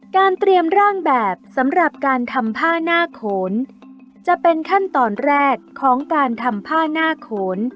เตรียมร่างแบบสำหรับการทำผ้าหน้าโขนจะเป็นขั้นตอนแรกของการทำผ้าหน้าโขน